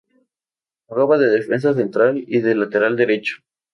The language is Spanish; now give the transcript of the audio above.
Jugaba de defensa central y de lateral derecho.